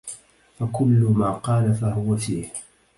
فكل مـا قـال فهـو فيـه